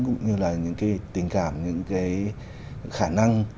cũng như là những tình cảm những khả năng